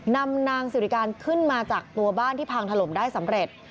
นำนางสิริการขึ้นมาจากตัวบ้านที่พังถล่มได้สำเร็จ